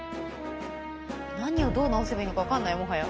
何をどう直せばいいのか分かんないもはや。